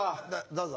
どうぞ。